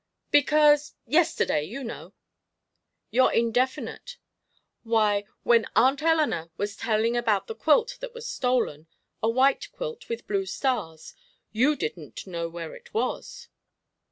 "Because yesterday, you know." "You're indefinite." "Why, when Aunt Eleanor was telling about the quilt that was stolen a white quilt, with blue stars you didn't know where it was."